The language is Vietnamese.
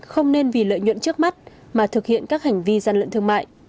không nên vì lợi nhuận trước mắt mà thực hiện các hành vi gian lận thương mại